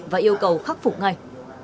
và yêu cầu khắc phục ngay